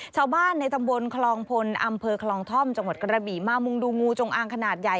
ชาวบ้านในตำบลคลองพลอำเภอคลองท่อมจังหวัดกระบี่มามุงดูงูจงอางขนาดใหญ่